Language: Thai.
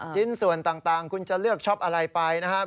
ชิ้นส่วนต่างคุณจะเลือกช็อปอะไรไปนะครับ